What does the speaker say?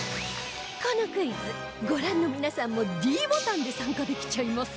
このクイズご覧の皆さんも ｄ ボタンで参加できちゃいます